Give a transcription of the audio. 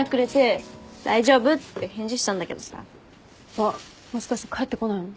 あっもしかして返ってこないの？